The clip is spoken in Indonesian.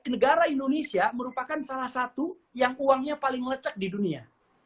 negara indonesia merupakan salah satu yang uangnya paling lecek di dunia